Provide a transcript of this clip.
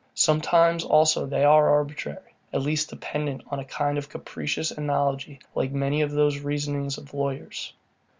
Sometimes also they are arbitrary, at least dependent on a kind of capricious analogy like many of the reasonings of lawyers.